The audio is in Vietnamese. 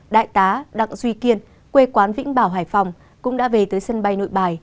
đại tá đặng duy kiên quê quán vĩnh bảo hải phòng cũng đã về tới sân bay nội bài